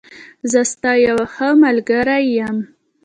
زه ستا یوښه ملګری یم.